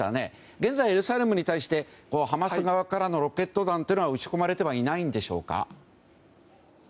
現在、エルサレムに対してハマス側からのロケット弾は撃ち込まれてはいないんでしょうか？